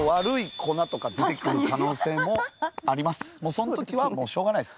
そん時はしょうがないです。